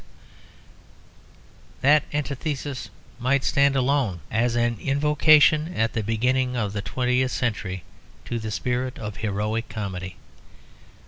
_ That antithesis might stand alone as an invocation at the beginning of the twentieth century to the spirit of heroic comedy.